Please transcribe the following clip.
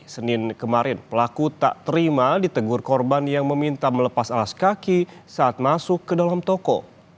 senin kemarin pelaku tak terima ditegur korban yang meminta melepas alas kaki saat masuk ke dalam toko